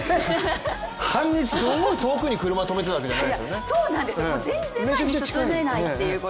すごい遠くに車を止めていたわけじゃないですよね。